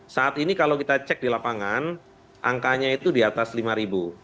saat ini kalau kita cek di lapangan angkanya itu di atas lima ribu